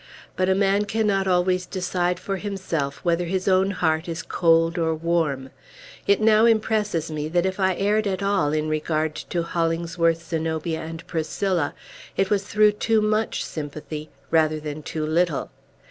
But a man cannot always decide for himself whether his own heart is cold or warm. It now impresses me that, if I erred at all in regard to Hollingsworth, Zenobia, and Priscilla, it was through too much sympathy, rather than too little.